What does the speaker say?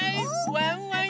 ワンワン